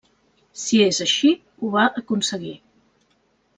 Si és així, ho va aconseguir.